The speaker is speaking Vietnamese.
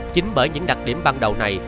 chính bởi những đặc điểm ban đầu này